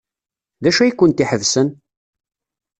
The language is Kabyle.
D acu ay kent-iḥebsen?